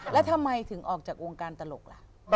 แล้วทำไมถึงออกจากวงการตลกล่ะ